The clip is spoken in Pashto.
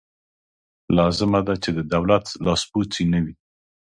لازمه ده چې د دولت لاسپوڅې نه وي.